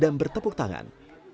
dan bertepuk tangan